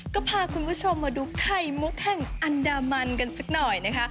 ก็พาคุณผู้ชมมาดูไข่มุกแห่งอันดามันกันสักหน่อยนะคะ